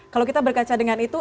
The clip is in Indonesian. kalau kita berkaca dengan itu